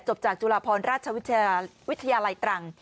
จบจากจุฬาพรราชวิทยาลัยตรัง